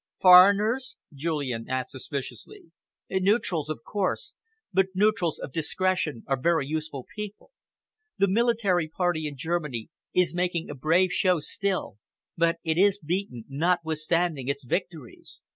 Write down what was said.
"Foreigners?" Julian asked suspiciously. "Neutrals, of course, but neutrals of discretion are very useful people. The military party in Germany is making a brave show still, but it is beaten, notwithstanding its victories.